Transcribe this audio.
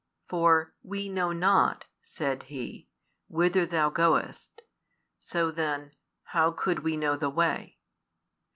For we know not, said he, whither Thou goest: so then, how could we know the way?